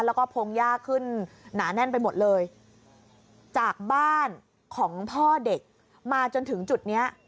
แล้วก็พงยากขึ้นหนาแน่นไปหมดเลยจากบ้านของพ่อเด็กมาจนถึงจุดเนี้ย